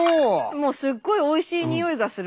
もうすっごいおいしいにおいがする。